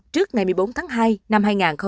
trước ngày một mươi bốn tháng hai năm hai nghìn hai mươi